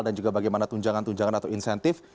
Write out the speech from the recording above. dan juga bagaimana tunjangan tunjangan atau insentif